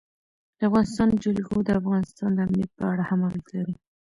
د افغانستان جلکو د افغانستان د امنیت په اړه هم اغېز لري.